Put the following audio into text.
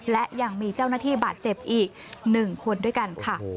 และยังมีเจ้าหน้าที่บาดเจ็บอีก๑คนด้วยกันค่ะ